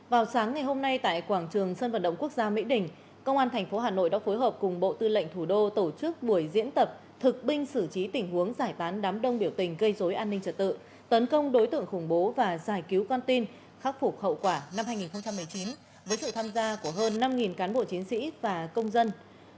vào sáng ngày hôm nay tại quảng trường sân vận động quốc gia mỹ đình công an tp hà nội đã phối hợp cùng bộ tư lệnh thủ đô tổ chức buổi diễn tập thực binh xử trí tình huống giải tán đám đông biểu tình gây dối an ninh trật tự tấn công đối tượng khủng bố và giải cứu con tin khắc phục hậu quả năm hai nghìn một mươi chín với sự tham gia của hơn năm cán bộ chiến sĩ và công dân